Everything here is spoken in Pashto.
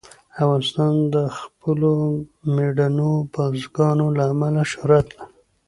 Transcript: افغانستان د خپلو مېړنیو بزګانو له امله شهرت لري.